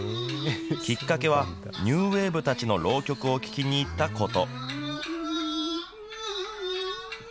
きっかけは、ニューウェーブたちの浪曲を聴きに行ったこと。